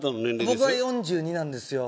僕は４２なんですよ